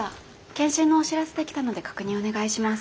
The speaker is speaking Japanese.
健診のお知らせできたので確認お願いします。